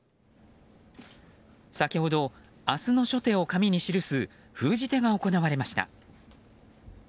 先ほど明日の初手を紙に記す封じ手が行われました。